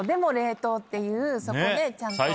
っていうそこでちゃんと。